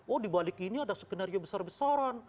oh dibalik ini ada skenario besar besaran